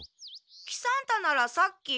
喜三太ならさっき。